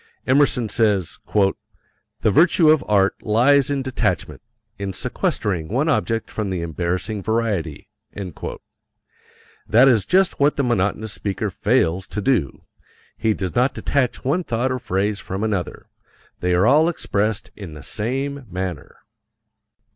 Emerson says, "The virtue of art lies in detachment, in sequestering one object from the embarrassing variety." That is just what the monotonous speaker fails to do he does not detach one thought or phrase from another, they are all expressed in the same manner.